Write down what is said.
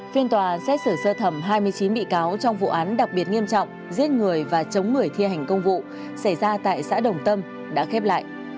phiên tòa xét xử sơ thẩm hai mươi chín bị cáo trong vụ án đặc biệt nghiêm trọng giết người và chống người thi hành công vụ xảy ra tại xã đồng tâm đã khép lại